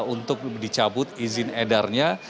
untuk dicabut izin edarnya